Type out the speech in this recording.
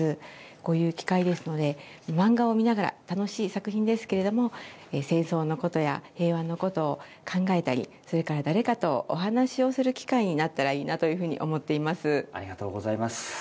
こういう機会ですので、漫画を見ながら、楽しい作品ですけれども、戦争のことや平和のことを考えたり、それから誰かとお話をする機会になったらいいなというふうにありがとうございます。